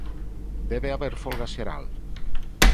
Debe haber folga xeral?